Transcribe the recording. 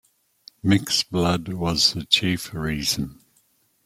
Mixed blood was the chief reason.